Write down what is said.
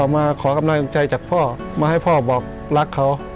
มาขอกำลังใจจากพ่อมาให้พ่อบอกรักเขา